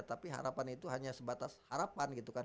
tapi harapan itu hanya sebatas harapan gitu kan